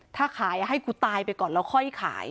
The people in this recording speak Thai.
ถ้าขายให้กูตายไปก่อนแล้วค่อยขาย